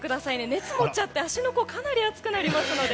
熱を持っちゃって足の甲がかなり熱くなりますので。